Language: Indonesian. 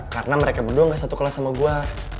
karena mereka berdua ga satu kelas sama gue